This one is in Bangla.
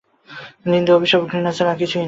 নিন্দা, অভিশাপ ও ঘৃণা ছাড়া আর কিছুই নয়।